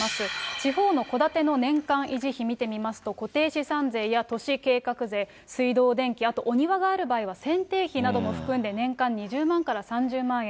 地方の戸建ての年間維持費、見てみますと、固定資産税や都市計画税、水道、電気、あとお庭がある場合は、せんてい費なども含んで年間２０万から３０万円。